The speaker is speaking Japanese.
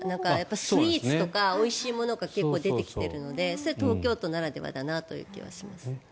スイーツとかおいしいものが結構出てきているのでそれは東京都ならではだなという気はします。